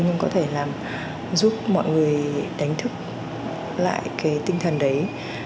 nhưng có thể là giúp mọi người đánh thức lại cái tinh thần đấy